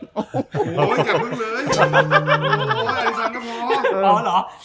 โห้อาริสังคมพอ